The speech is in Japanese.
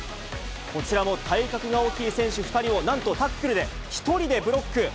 こちらの体格が大きい選手２人を、なんとタックルで１人でブロック。